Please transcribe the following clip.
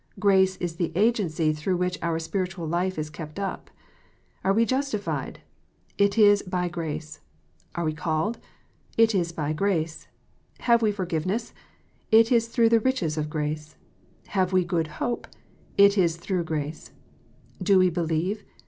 Grace is the agency through which our spiritual life is kept up. Are we justified ? it is by grace. Are we called 1 it is by grace. Have we forgiveness 1 it is through the riches of grace. Have we good hope 1 it is through grace. Do we believe